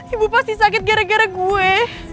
ibu pasti sakit gara gara gue